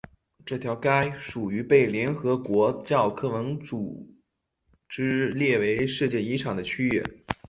这条街属于被联合国教科文组织列为世界遗产的区域。